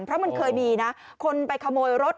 เพราะมันเคยมีนะคนไปขโมยรถ